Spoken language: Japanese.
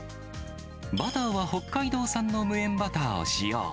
バターは北海道産の無塩バターを使用。